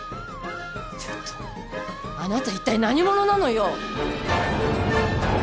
ちょっとあなた一体何者なのよ！？